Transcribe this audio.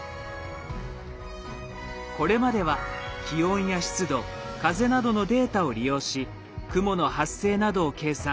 これまでは気温や湿度風などのデータを利用し雲の発生などを計算。